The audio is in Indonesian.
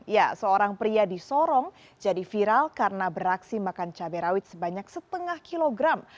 ya seorang pria di sorong jadi viral karena beraksi makan cabai rawit sebanyak setengah kilogram